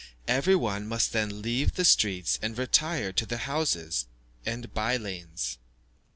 Every one must then leave the streets, and retire into the houses and bye lanes.